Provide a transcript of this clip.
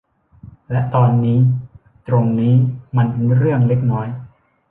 และตอนนี้ตรงนี้มันเป็นเรื่องเล็กน้อย